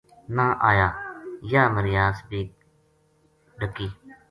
نہ آیا یاہ مرباس بے ڈکی